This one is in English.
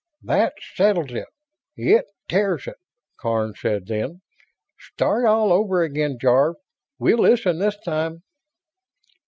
"That settles it ... it tears it," Karns said then. "Start all over again, Jarve. We'll listen, this time."